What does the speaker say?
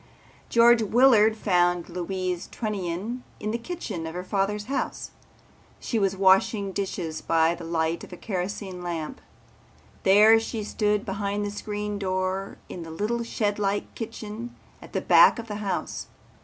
George Willard found Louise Trunnion in the kitchen of her father's house. She was washing dishes by the light of a kerosene lamp. There she stood behind the screen door in the little shedlike kitchen at the back of the house.